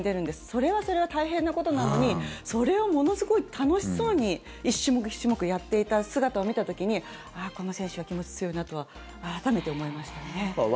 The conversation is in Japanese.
それはそれは大変なことなのにそれをものすごい楽しそうに１種目１種目やっていた姿を見た時にこの選手は気持ち、強いなとは改めて思いましたね。